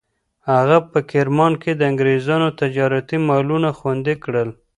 هغه په کرمان کې د انګریزانو تجارتي مالونه خوندي کړل.